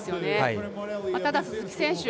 ただ鈴木選手